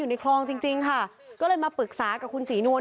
ในคลองจริงจริงค่ะก็เลยมาปรึกษากับคุณศรีนวล